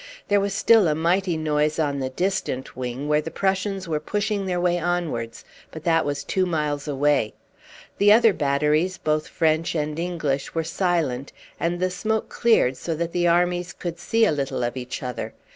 There was still a mighty noise on the distant wing, where the Prussians were pushing their way onwards, but that was two miles away. The other batteries, both French and English, were silent, and the smoke cleared so that the armies could see a little of each other.